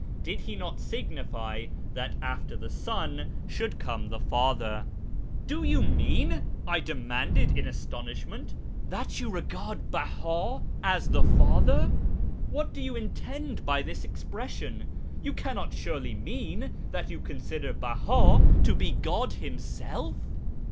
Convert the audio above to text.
Did He not signify that after the Son should come the Father ?"" Do you mean," I demanded in astonishment, " that you regard Beha as the Father ? What do you intend by this expression ? You cannot surely mean that you consider Beha to be God Himself?"